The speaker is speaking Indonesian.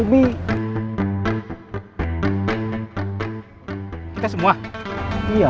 tiap satu kalinya